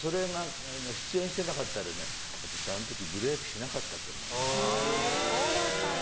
出演してなかったら、あの時ブレークしてなかったと思う。